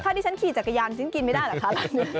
ถ้าที่ฉันขี่จักรยานจริงกินไม่ได้เหรอคะล่ะ